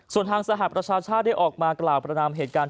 ส่วนทางสหประชาชาติได้ออกมากล่าวประนามเหตุการณ์